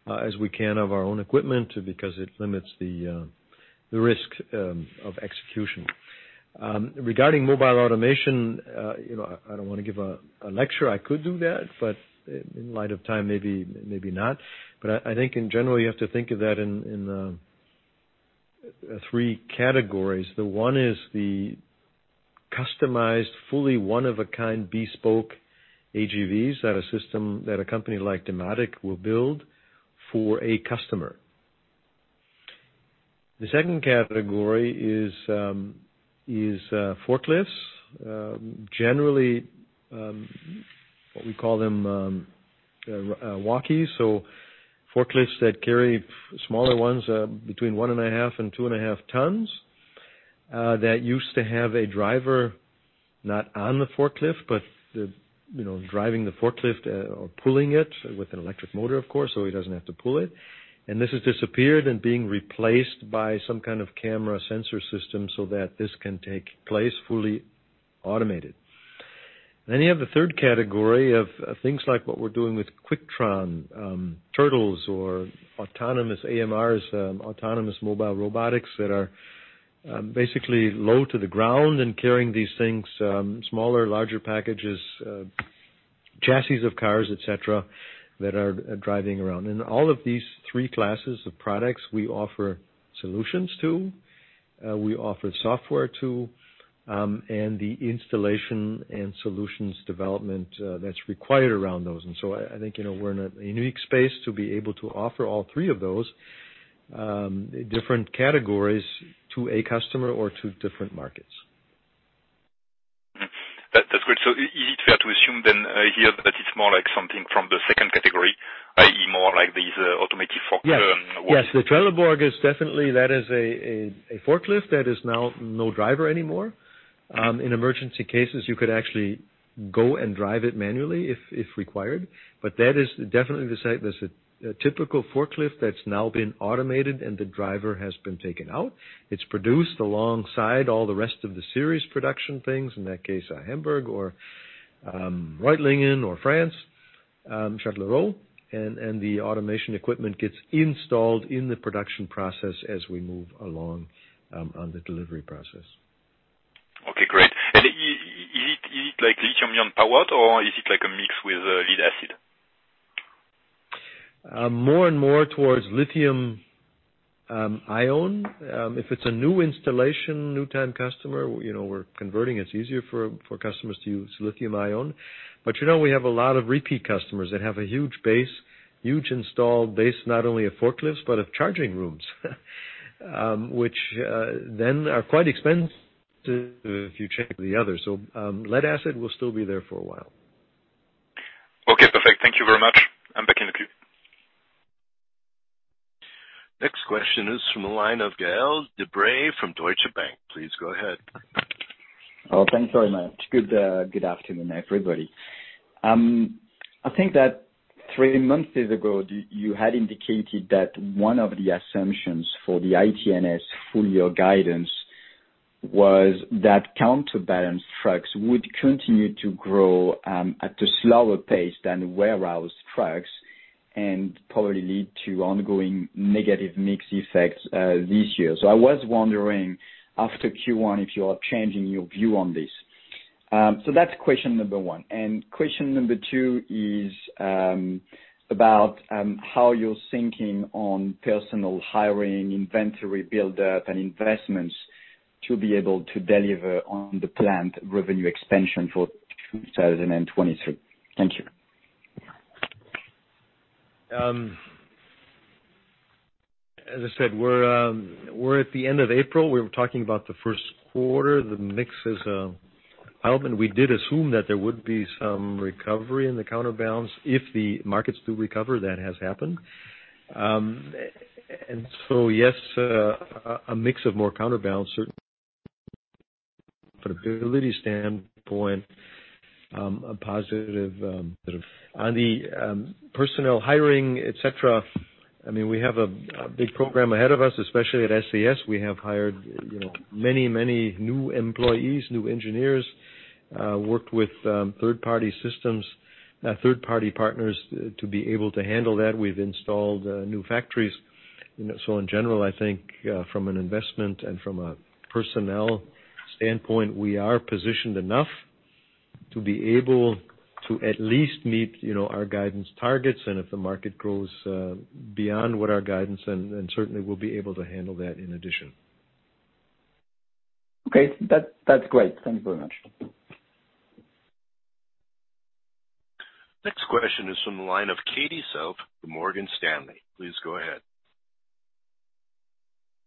as we can of our own equipment because it limits the risk of execution. Regarding mobile automation, I don't want to give a lecture. I could do that, in light of time, maybe not. I think in general, you have to think of that in three categories. One is the customized, fully one-of-a-kind bespoke AGVs that a company like Dematic will build for a customer. The second category is forklifts. Generally, we call them walkies. Forklifts that carry smaller ones, between 1.5 and 2.5 tons, that used to have a driver, not on the forklift, but driving the forklift or pulling it with an electric motor, of course. He doesn't have to pull it. This has disappeared and being replaced by some kind of camera sensor system so that this can take place fully automated. You have the third category of things like what we're doing with Quicktron, Turtles or autonomous AMRs, autonomous mobile robotics, that are basically low to the ground and carrying these things, smaller, larger packages, chassis of cars, etc, that are driving around. All of these three classes of products, we offer solutions to, we offer software to, and the installation and solutions development that's required around those. I think, we're in a unique space to be able to offer all three of those different categories to a customer or to different markets. That's great. Is it fair to assume then here that it's more like something from the second category, i.e., more like these automated fork-? The Trelleborg is definitely, that is a forklift that is now no driver anymore. In emergency cases, you could actually go and drive it manually if required. That is definitely the typical forklift that's now been automated and the driver has been taken out. It's produced alongside all the rest of the series production things, in that case, Hamburg or Reutlingen or France, Châtellerault, and the automation equipment gets installed in the production process as we move along on the delivery process. Okay, great. Is it like lithium-ion powered or is it like a mix with lead-acid? More and more towards lithium-ion. If it's a new installation, new time customer, we're converting, it's easier for customers to use lithium-ion. We have a lot of repeat customers that have a huge base, huge installed base, not only of forklifts, but of charging rooms, which then are quite expensive if you check the others. Lead-acid will still be there for a while. Okay, perfect. Thank you very much. I'm back in the queue. Next question is from the line of Gaël de Bray from Deutsche Bank. Please go ahead. Thanks very much. Good afternoon, everybody. I think that three months ago, you had indicated that one of the assumptions for the ITS full year guidance was that counterbalance trucks would continue to grow at a slower pace than warehouse trucks, and probably lead to ongoing negative mix effects this year. I was wondering, after Q1, if you are changing your view on this. That's question number one. Question number two is about how you're thinking on personal hiring, inventory buildup, and investments to be able to deliver on the planned revenue expansion for 2023. Thank you. As I said, we're at the end of April. We were talking about the first quarter. The mix is up, and we did assume that there would be some recovery in the counterbalance. If the markets do recover, that has happened. Yes, a mix of more counterbalance, certainly from a profitability standpoint, a positive. On the personnel hiring, et cetera, we have a big program ahead of us, especially at SCS. We have hired many new employees, new engineers, worked with third-party partners to be able to handle that. We've installed new factories. In general, I think from an investment and from a personnel standpoint, we are positioned enough to be able to at least meet our guidance targets, and if the market grows beyond what our guidance, then certainly we'll be able to handle that in addition. Okay. That's great. Thank you very much. Next question is from the line of Katie Self from Morgan Stanley. Please go ahead.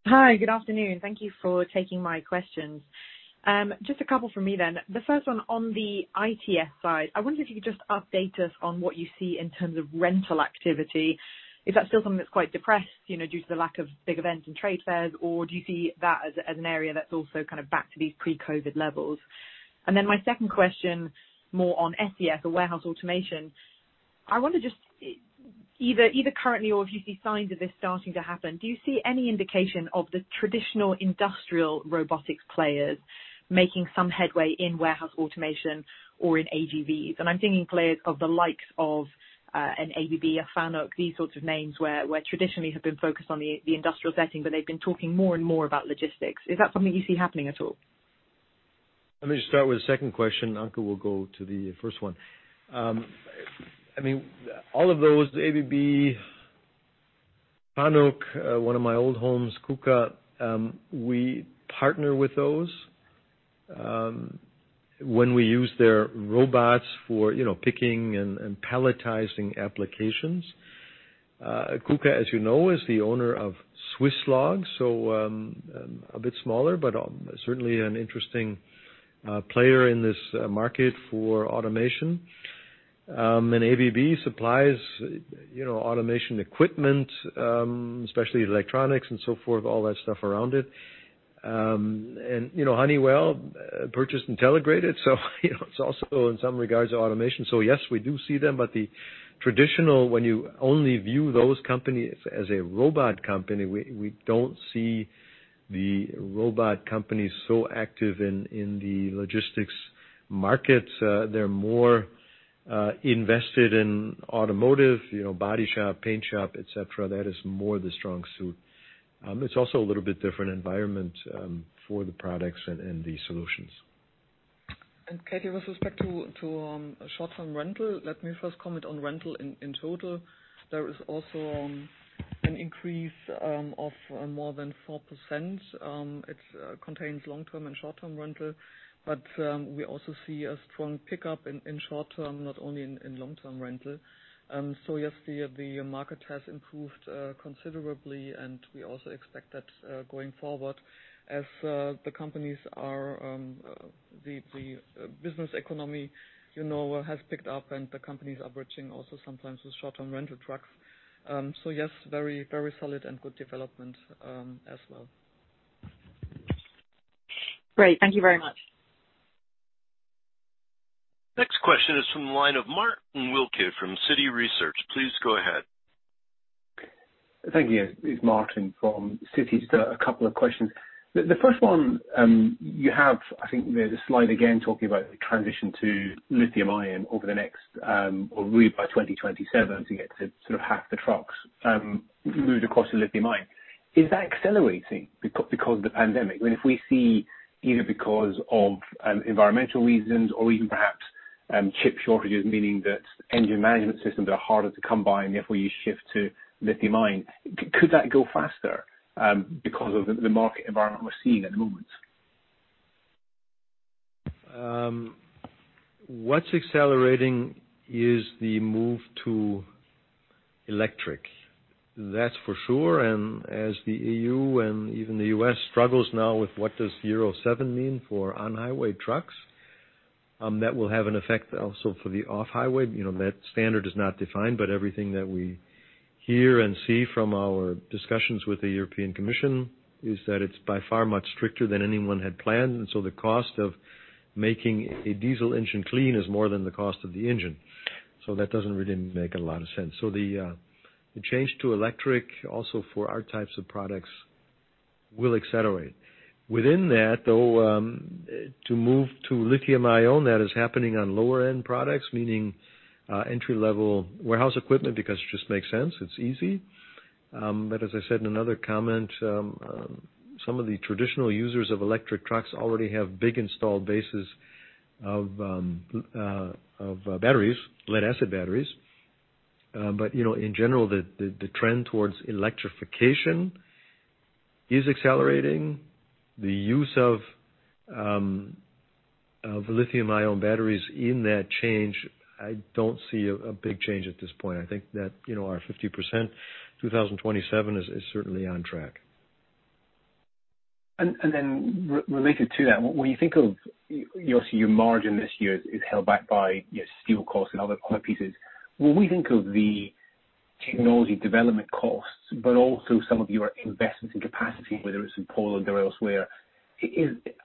Hi, good afternoon. Thank you for taking my questions. Just a couple from me then. The first one on the ITS side, I wonder if you could just update us on what you see in terms of rental activity. Is that still something that's quite depressed, due to the lack of big events and trade fairs, or do you see that as an area that's also kind of back to these pre-COVID levels? My second question, more on SCS or warehouse automation. I want to just, either currently or if you see signs of this starting to happen, do you see any indication of the traditional industrial robotics players making some headway in warehouse automation or in AGVs? I'm thinking players of the likes of an ABB, a FANUC, these sorts of names where traditionally have been focused on the industrial setting, but they've been talking more and more about logistics. Is that something you see happening at all? Let me just start with the second question. Anke will go to the first one. All of those, ABB, FANUC, one of my old homes, KUKA, we partner with those, when we use their robots for picking and palletizing applications. KUKA, as you know, is the owner of Swisslog, so a bit smaller, but certainly an interesting player in this market for automation. ABB supplies automation equipment, especially electronics and so forth, all that stuff around it. Honeywell purchased Intelligrated, so it's also in some regards automation. Yes, we do see them, but the traditional, when you only view those companies as a robot company, we don't see the robot companies so active in the logistics markets. They're more invested in automotive, body shop, paint shop, et cetera. That is more the strong suit. It's also a little bit different environment for the products and the solutions. Katie, with respect to short-term rental, let me first comment on rental in total. There is also an increase of more than 4%. It contains long-term and short-term rental, but we also see a strong pickup in short-term, not only in long-term rental. Yes, the market has improved considerably, and we also expect that going forward as the business economy has picked up and the companies are bridging also sometimes with short-term rental trucks. Yes, very solid and good development as well. Great. Thank you very much. Next question is from the line of Martin Wilkie from Citi Research. Please go ahead. Thank you. It's Martin from Citi. Just a couple of questions. The first one, I think there's a slide again talking about the transition to lithium-ion over the next, or really by 2027 to get to sort of half the trucks moved across to lithium-ion. Is that accelerating because of the pandemic? I mean, if we see either because of environmental reasons or even perhaps chip shortages meaning that engine management systems are harder to come by, and therefore you shift to lithium-ion, could that go faster because of the market environment we're seeing at the moment? What's accelerating is the move to electric. That's for sure. As the EU and even the U.S. struggles now with what does Euro 7 mean for on-highway trucks, that will have an effect also for the off-highway. That standard is not defined, everything that we hear and see from our discussions with the European Commission is that it's by far much stricter than anyone had planned. The cost of making a diesel engine clean is more than the cost of the engine. That doesn't really make a lot of sense. The change to electric also for our types of products will accelerate. Within that, though, to move to lithium-ion, that is happening on lower-end products, meaning entry-level warehouse equipment because it just makes sense. It's easy. As I said in another comment, some of the traditional users of electric trucks already have big installed bases of lead-acid batteries. In general, the trend towards electrification is accelerating. The use of lithium-ion batteries in that change, I don't see a big change at this point. I think that our 50% 2027 is certainly on track. Related to that, when you think of your margin this year is held back by your steel costs and other core pieces. When we think of the technology development costs, but also some of your investments in capacity, whether it is in Poland or elsewhere,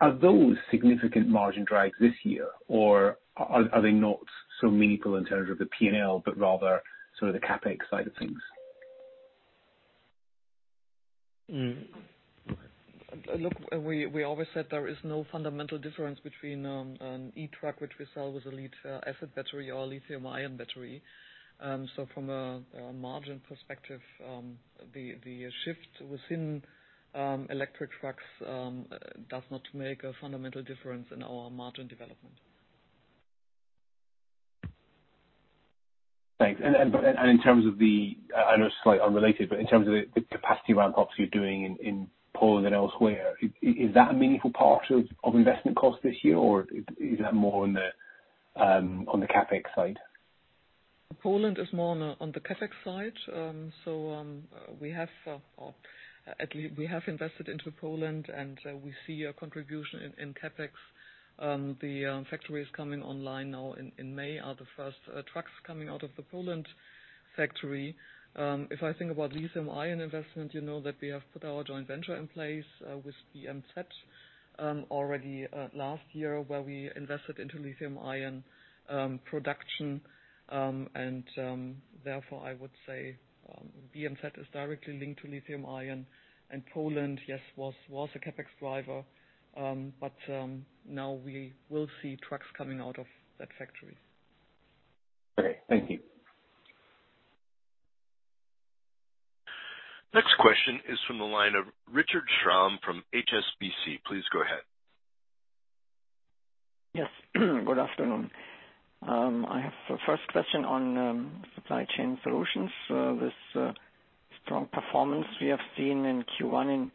are those significant margin drags this year, or are they not so meaningful in terms of the P&L, but rather sort of the CapEx side of things? Look, we always said there is no fundamental difference between an e-truck, which we sell with a lead acid battery or a lithium ion battery. From a margin perspective, the shift within electric trucks does not make a fundamental difference in our margin development. Thanks. I know it's slightly unrelated, but in terms of the capacity ramp-ups you're doing in Poland and elsewhere, is that a meaningful part of investment costs this year, or is that more on the CapEx side? Poland is more on the CapEx side. We have invested into Poland, and we see a contribution in CapEx. The factory is coming online now in May, are the first trucks coming out of the Poland factory. If I think about lithium-ion investment, you know that we have put our joint venture in place with BMZ already last year, where we invested into lithium-ion production. Therefore, I would say BMZ is directly linked to lithium-ion. Poland, yes, was a CapEx driver. Now we will see trucks coming out of that factory. Okay. Thank you. Next question is from the line of Richard Schramm from HSBC. Please go ahead. Yes. Good afternoon. I have a first question on supply chain solutions. This strong performance we have seen in Q1 in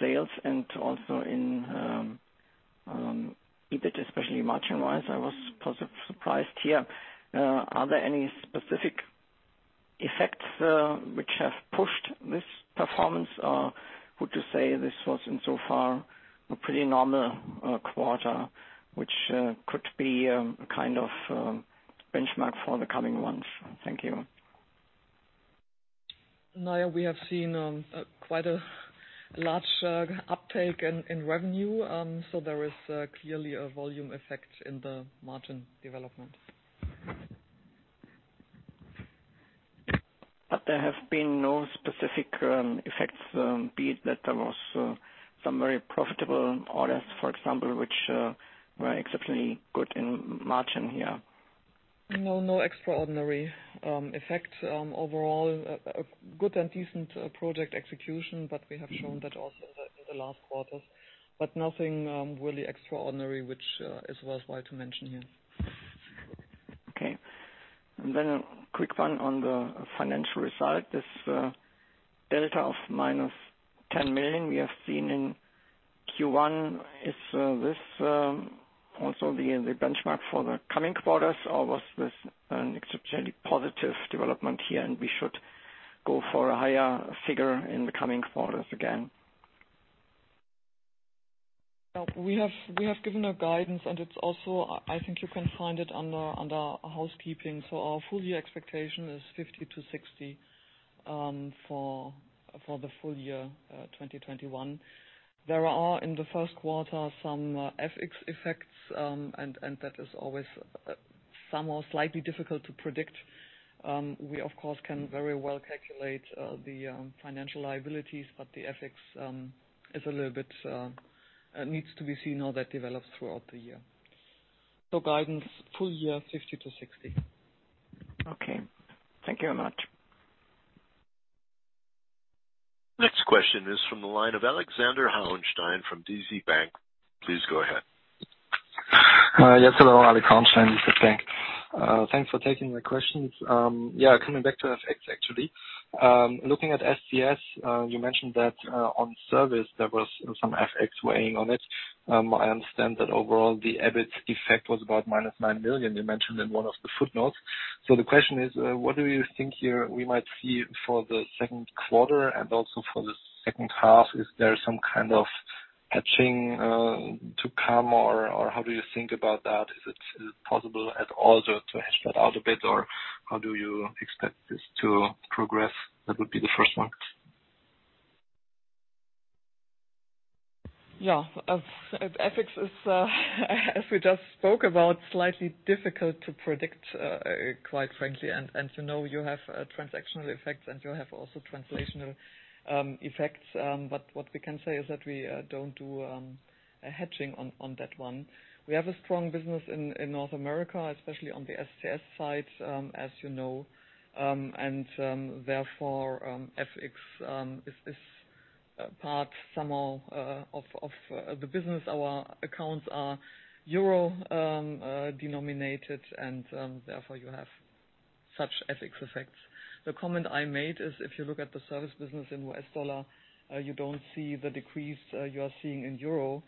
sales and also in EBIT, especially margin-wise. I was surprised here. Are there any specific effects, which have pushed this performance are good to say this was in so far a pretty normal quarter, which could be a kind of benchmark for the coming months. Thank you. No, we have seen quite a large uptake in revenue. There is clearly a volume effect in the margin development. There have been no specific effects, be it that there was some very profitable orders, for example, which were exceptionally good in margin here. No extraordinary effect. Overall, a good and decent project execution, but we have shown that also in the last quarters, but nothing really extraordinary, which is worthwhile to mention here. Okay. A quick one on the financial result. This delta of minus 10 million we have seen in Q1. Is this also the benchmark for the coming quarters, or was this an exceptionally positive development here, and we should go for a higher figure in the coming quarters again? We have given a guidance, and it's also, I think you can find it under housekeeping. Our full year expectation is 50-60, for the full year 2021. There are, in the first quarter, some FX effects, and that is always somewhat slightly difficult to predict. We, of course, can very well calculate the financial liabilities, but the FX needs to be seen how that develops throughout the year. Guidance full year, 50-60. Okay. Thank you very much. Next question is from the line of Alexander Hauenstein from DZ Bank. Please go ahead. Yes. Hello, Alexander Hauenstein, DZ Bank. Thanks for taking my questions. Coming back to FX, actually. Looking at SCS, you mentioned that, on service, there was some FX weighing on it. I understand that overall the EBIT effect was about minus 9 million, you mentioned in one of the footnotes. The question is, what do you think here we might see for the second quarter and also for the second half? Is there some kind of patching to come or how do you think about that? Is it possible at all to hedge that out a bit, or how do you expect this to progress? That would be the first one. Yeah. FX is, as we just spoke about, slightly difficult to predict, quite frankly. You know you have transactional effects and you have also translational effects. What we can say is that we don't do a hedging on that one. We have a strong business in North America, especially on the SCS side, as you know. Therefore, FX is part somehow of the business. Our accounts are EUR denominated, and therefore you have such FX effects. The comment I made is if you look at the service business in U.S. dollar, you don't see the decrease you are seeing in EUR.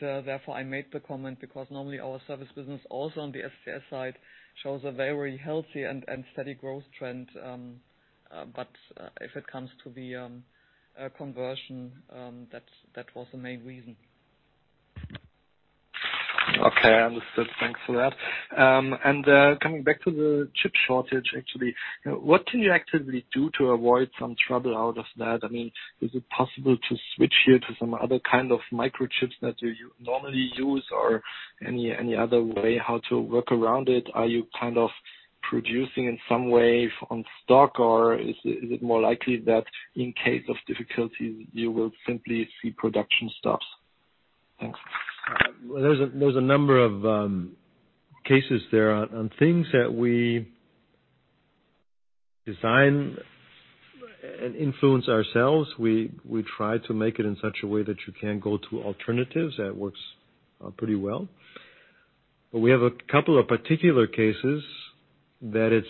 Therefore, I made the comment because normally our service business, also on the SCS side, shows a very healthy and steady growth trend. But if it comes to the conversion, that was the main reason. Okay. Understood. Thanks for that. Coming back to the chip shortage, actually. What can you actively do to avoid some trouble out of that? I mean, is it possible to switch here to some other kind of microchips that you normally use or any other way how to work around it? Are you kind of producing in some way on stock, or is it more likely that in case of difficulties you will simply see production stops? Thanks. There's a number of cases there. On things that we design and influence ourselves, we try to make it in such a way that you can go to alternatives. That works pretty well. We have a couple of particular cases that it's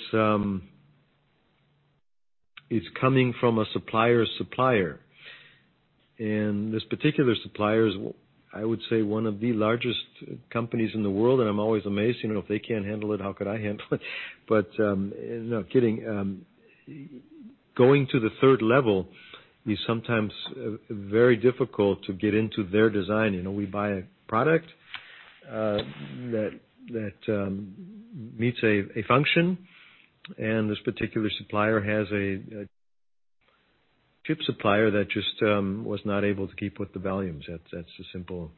coming from a supplier's supplier. This particular supplier is, I would say, one of the largest companies in the world, and I'm always amazed, if they can't handle it, how could I handle it? No, kidding. Going to the third level is sometimes very difficult to get into their design. We buy a product that meets a function, and this particular supplier has a chip supplier that just was not able to keep with the volumes. That's the simple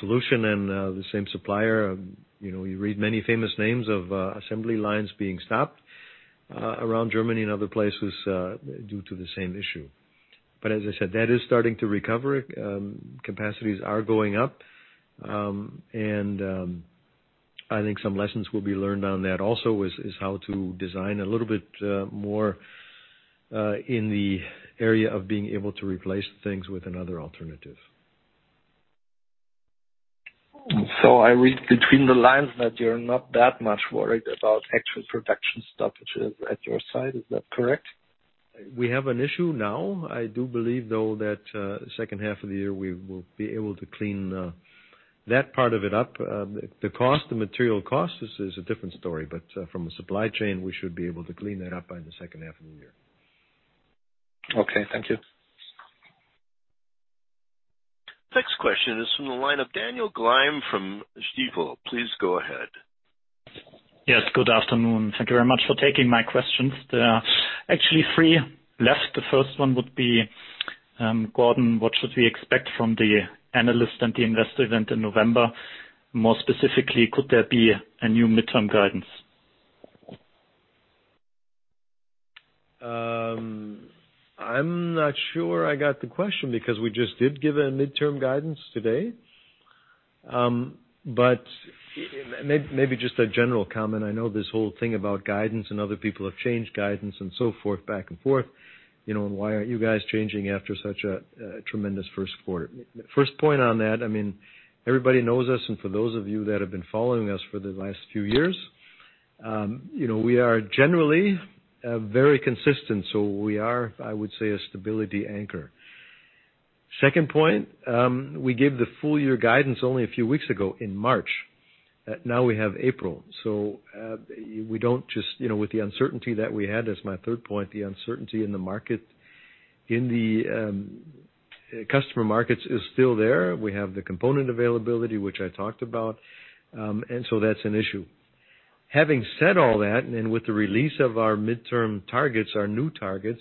solution. The same supplier, you read many famous names of assembly lines being stopped around Germany and other places due to the same issue. As I said, that is starting to recover. Capacities are going up. I think some lessons will be learned on that also is how to design a little bit more in the area of being able to replace things with another alternative. I read between the lines that you're not that much worried about actual production stoppages at your side. Is that correct? We have an issue now. I do believe, though, that the second half of the year, we will be able to clean that part of it up. The material cost is a different story. From a supply chain, we should be able to clean that up by the second half of the year. Okay, thank you. Next question is from the line of Daniel Gleim from Stifel. Please go ahead. Yes, good afternoon. Thank you very much for taking my questions. There are actually three left. The first one would be, Gordon, what should we expect from the analyst and the investor event in November? More specifically, could there be a new midterm guidance? I'm not sure I got the question, because we just did give a midterm guidance today. Maybe just a general comment. I know this whole thing about guidance and other people have changed guidance and so forth, back and forth, and why aren't you guys changing after such a tremendous first quarter? First point on that, everybody knows us, and for those of you that have been following us for the last few years, we are generally very consistent. We are, I would say, a stability anchor. Second point, we gave the full year guidance only a few weeks ago in March. Now we have April. With the uncertainty that we had, that's my third point, the uncertainty in the customer markets is still there. We have the component availability, which I talked about. So that's an issue. Having said all that, and with the release of our midterm targets, our new targets,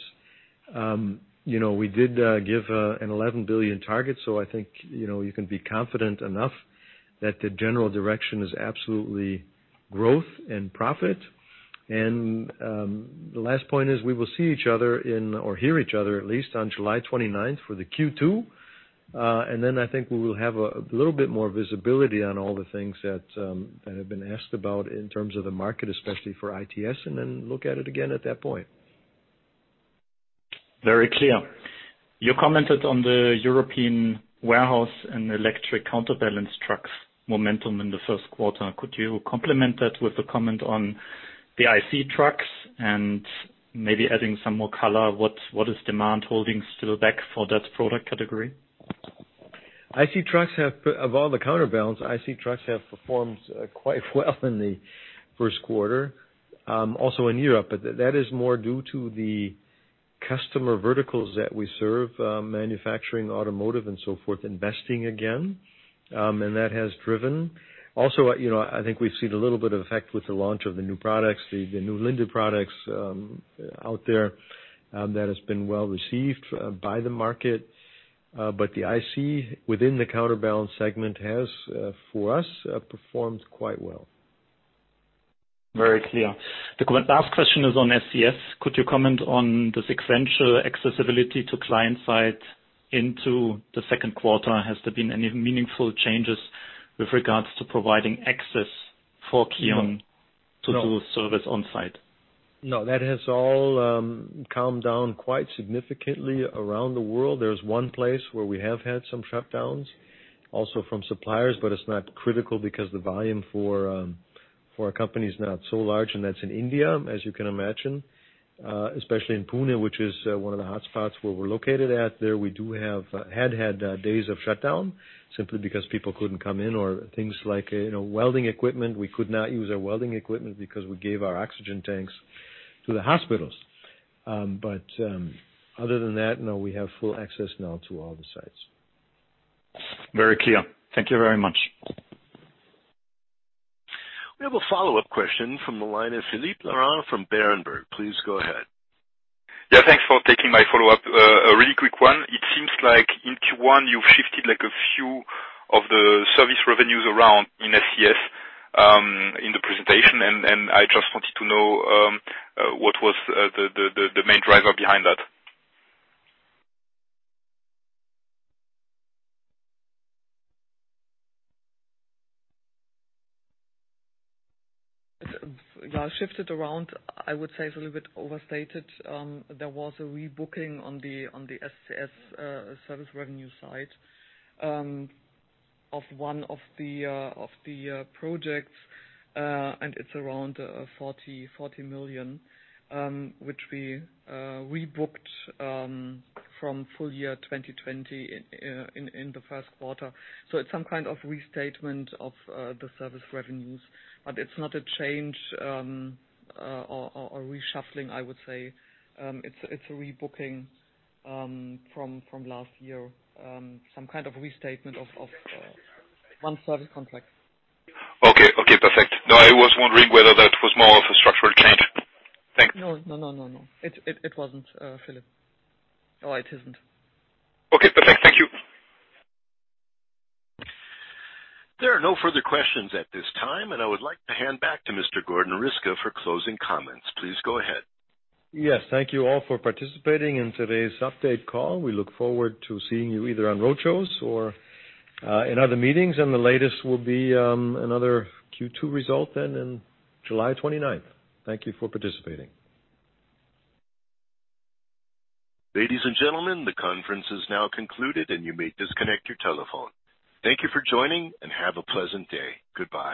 we did give an 11 billion target, so I think you can be confident enough that the general direction is absolutely growth and profit. The last point is we will see each other or hear each other, at least, on July 29th for the Q2. I think we will have a little bit more visibility on all the things that have been asked about in terms of the market, especially for ITS, then look at it again at that point. Very clear. You commented on the European warehouse and electric counterbalance trucks momentum in the first quarter. Could you complement that with a comment on the IC trucks and maybe adding some more color, what is demand holding still back for that product category? Of all the counterbalance, IC trucks have performed quite well in the first quarter, also in Europe. That is more due to the customer verticals that we serve, manufacturing, automotive, and so forth, investing again. That has driven. I think we've seen a little bit of effect with the launch of the new products, the new Linde products out there, that has been well-received by the market. The IC within the counterbalance segment has, for us, performed quite well. Very clear. The last question is on SCS. Could you comment on the sequential accessibility to client site into the second quarter? Has there been any meaningful changes with regards to providing access for KION. No. -to do service on site? No. That has all calmed down quite significantly around the world. There's one place where we have had some shutdowns, also from suppliers. It's not critical because the volume for a company is not so large, and that's in India, as you can imagine. Especially in Pune, which is one of the hotspots where we're located at there, we had days of shutdown simply because people couldn't come in or things like welding equipment. We could not use our welding equipment because we gave our oxygen tanks to the hospitals. Other than that, no, we have full access now to all the sites. Very clear. Thank you very much. We have a follow-up question from the line of Philippe Lorrain from Berenberg. Please go ahead. Thanks for taking my follow-up. A really quick one. It seems like in Q1, you've shifted a few of the service revenues around in SCS in the presentation, and I just wanted to know what was the main driver behind that. Well, shifted around, I would say, is a little bit overstated. There was a rebooking on the SCS service revenue side of one of the projects, and it's around 40 million, which we rebooked from full year 2020 in the first quarter. It's some kind of restatement of the service revenues. It's not a change or reshuffling, I would say. It's a rebooking from last year, some kind of restatement of one service contract. Okay. Perfect. I was wondering whether that was more of a structural change. Thanks. No. It wasn't, Philippe. It isn't. Okay, perfect. Thank you. There are no further questions at this time, and I would like to hand back to Mr. Gordon Riske for closing comments. Please go ahead. Yes. Thank you all for participating in today's update call. We look forward to seeing you either on roadshows or in other meetings, and the latest will be another Q2 result then on July 29th. Thank you for participating. Ladies and gentlemen, the conference is now concluded, and you may disconnect your telephone. Thank you for joining, and have a pleasant day. Goodbye.